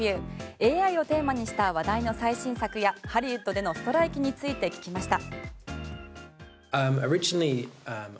ＡＩをテーマにした話題の最新作やハリウッドでのストライキについて聞きました。